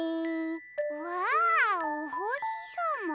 うわおほしさま。